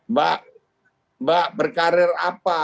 mbak mbak berkarir apa